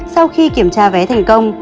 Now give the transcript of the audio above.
sau khi kiểm soát vé thành công